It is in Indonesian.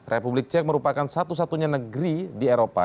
republik cek merupakan satu satunya negeri di eropa